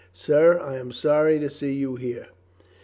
"Sir, I am sorry to see you here."